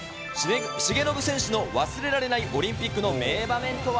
重信選手の忘れられないオリンピックの名場面とは。